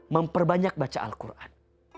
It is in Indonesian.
memperbanyak baca al quran